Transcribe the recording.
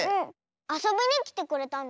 あそびにきてくれたの？